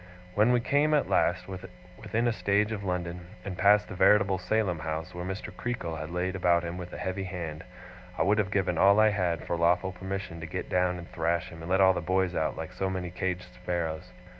When we came, at last, within a stage of London, and passed the veritable Salem House where Mr. Creakle had laid about him with a heavy hand, I would have given all I had, for lawful permission to get down and thrash him, and let all the boys out like so many caged sparrows.